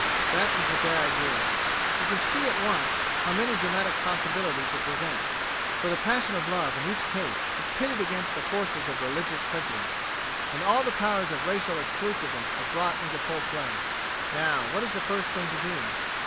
That is the bare idea. You can see at once how many dramatic possibilities it presents; for the passion of love in each case is pitted against the forces of religious prejudice; and all the powers of racial exclusiveness are brought into full play. Now, what is the first thing to do?